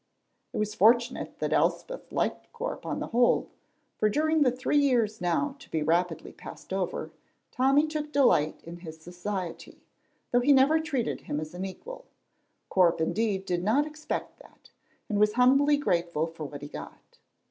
It was fortunate that Elspeth liked Corp on the whole, for during the three years now to be rapidly passed over, Tommy took delight in his society, though he never treated him as an equal; Corp indeed did not expect that, and was humbly grateful for what he got.